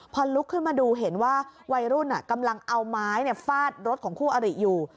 พอลุกขึ้นมาดูเห็นว่าวัยรุ่นกำลังเอาไม้ฟาดรถของคู่อริอยู่